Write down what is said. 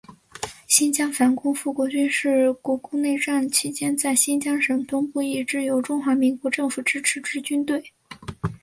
新疆反共复国军是国共内战期间在新疆省东部一支由中华民国政府支持之军队。